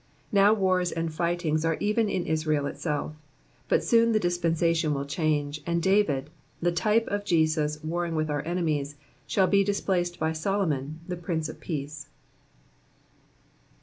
Now wars and fightings are even in Israel itself, but soon the dispensation will change, and David, the type of Jesus warring with our enemies, shall be displaced by Solomon the prince of peace.